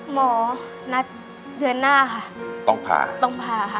หมอนัดเดือนหน้าค่ะต้องผ่าต้องผ่าค่ะ